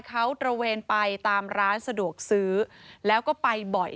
เขาตระเวนไปตามร้านสะดวกซื้อแล้วก็ไปบ่อย